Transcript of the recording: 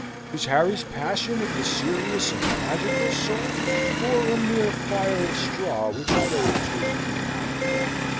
Was Harry's passion of the serious and tragical sort, or a mere fire of straw which a day or two would burn out?